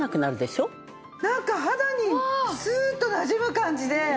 なんか肌にスーッとなじむ感じで。